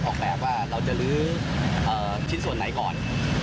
ออกแบบว่าเราจะลื้อชิ้นส่วนไหนก่อน